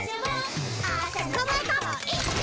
つかまえた！